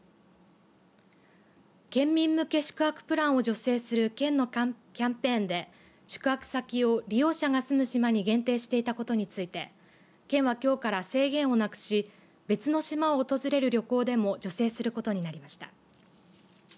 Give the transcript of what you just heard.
県民向け宿泊プランを助成する県のキャンペーンで宿泊先を利用者が住む島に限定していたことについて県はきょうから制限をなくし別の島を訪れる旅行でも助成することになりました。